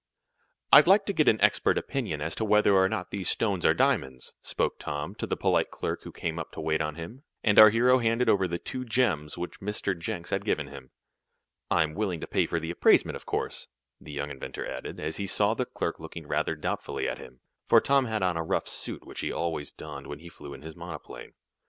"I'd like to get an expert opinion as to whether or not those stones are diamonds," spoke Tom, to the polite clerk who came up to wait on him, and our hero handed over the two gems which Mr. Jenks had given him. "I'm willing to pay for the appraisement, of course," the young inventor added, as he saw the clerk looking rather doubtfully at him, for Tom had on a rough suit, which he always donned when he flew in his monoplane.